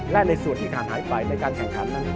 และในส่วนที่ขาดหายไปในการแข่งขันนั้น